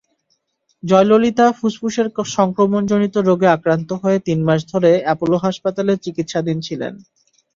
জয়ললিতা ফুসফুসের সংক্রমণজনিত রোগে আক্রান্ত হয়ে তিন মাস ধরে অ্যাপোলো হাসপাতালে চিকিৎসাধীন ছিলেন।